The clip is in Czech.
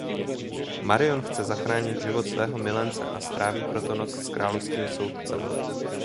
Marion chce zachránit život svého milence a stráví proto noc s královským soudcem.